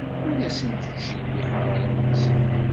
Ur asen-ttjeyyiḥeɣ arraw-nsen.